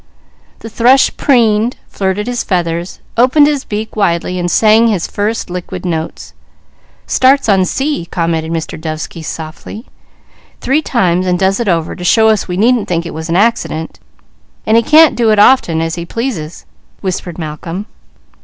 The thrush preened, flirted his feathers, opened his beak widely and sang his first liquid notes. "Starts on C," commented Mr. Dovesky softly. "Three times, and does it over, to show us we needn't think it was an accident and he can't do it as often as he pleases," whispered Malcolm.